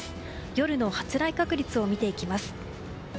夜の発雷確率を見ていきます。